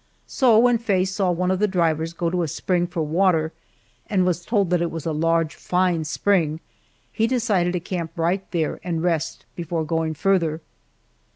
So, when Faye saw one of the drivers go to a spring for water, and was told that it was a large, fine spring, he decided to camp right there and rest before going farther.